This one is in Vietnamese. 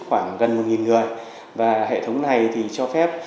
khoảng gần một người và hệ thống này thì cho phép